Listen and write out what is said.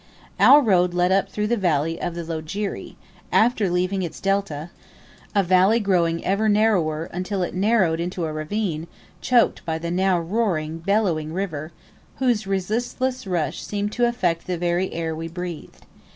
Our road led up through the valley of the Loajeri, after leaving its delta, a valley growing ever narrower, until it narrowed into a ravine choked by the now roaring, bellowing river, whose resistless rush seemed to affect the very air we breathed.